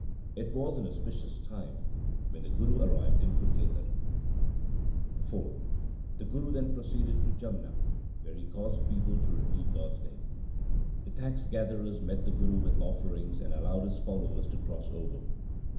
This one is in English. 1 It was an auspicious time when the Guru arrived in Kurkhetar. IV The Guru then proceeded to the Jamna where he caused people to repeat God's name. The tax gatherers met the Guru with offerings and allowed his followers to cross over.